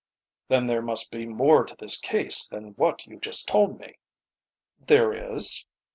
"Then there must be more to this case than what you just told me." "There is."